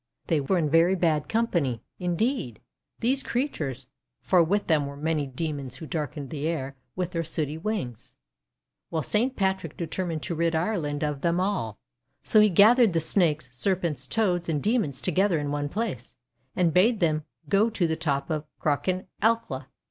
They were in very bad company, indeed, these crea tures, for with them were many Demons who darkened the air with their sooty wings. Well, Saint Patrick determined to rid Ireland of them all. So he gathered the Snakes, Ser pents, Toads, and Demons together in one place, and bade them go to the top of Crochan Acla.